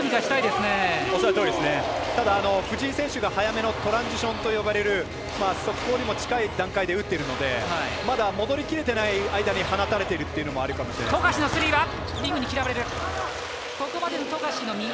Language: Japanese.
ただ、藤井選手が早めのトランジションといわれる速攻にも近い段階で打っているのでまだ戻りきれてない間に放たれているっていうのもあるかもしれませんね。